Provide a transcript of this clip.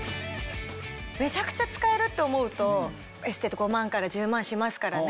めちゃくちゃ使えるって思うとエステって５万から１０万しますからね。